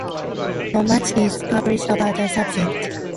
Not much is published about the subject.